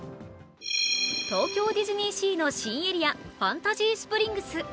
東京ディズニーシーの新エリア、ファンタジースプリングス。